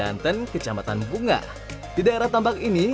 ikan se topengnya jadi bition